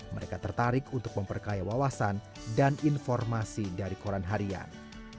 mereka tertarik untuk memperkaya wawasan dan informasi dari koran harian